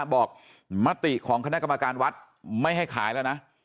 มติของคณะกรรมการวัดไม่ให้ขายแล้วนะ